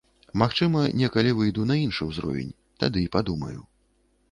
Магчыма, некалі выйду на іншы ўзровень, тады і падумаю.